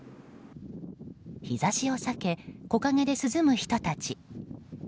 日差しを避け木陰で涼む人たち。